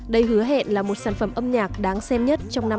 đây hứa hẹn là một sản phẩm âm nhạc đáng xem nhất trong năm hai nghìn một mươi sáu